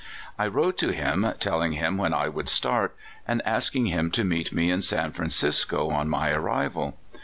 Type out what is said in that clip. " I wrote to him, telling him when I would start, and asking him to meet me in San Francisco on my arrival.